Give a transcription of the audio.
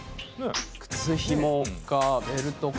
靴ひもかベルトか。